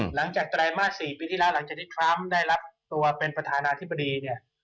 หลังจากไตรมาส๔ปีที่แล้วหลังจากทรัมป์ได้รับตัวเป็นประธานาธิบดี